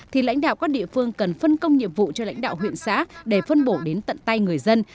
thì lãnh đạo các địa phương cần phân công nhiệm vụ cho lãnh đạo huyện xã để phân bổ đến tận tay người dân